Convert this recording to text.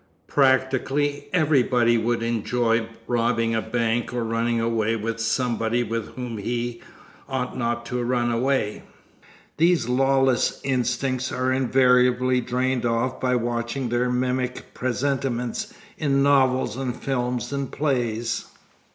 Practically everybody would enjoy robbing a bank or running away with somebody with whom he ought not to run away. These lawless instincts are invariably drained off by watching their mimic presentment in novels and films and plays.